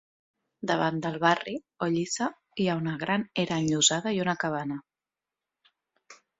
Davant del barri o lliça hi ha un gran era enllosada i una cabana.